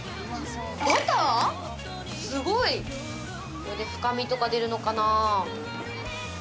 これで深みとか出るのかな？